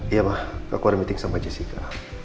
iya ma aku ada meeting sama jessica